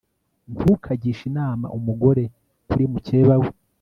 ntukagishe inama umugore kuri mukeba we